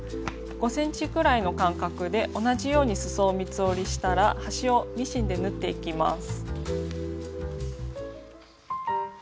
５ｃｍくらいの間隔で同じようにすそを三つ折りしたら端をミシンで縫っていきます。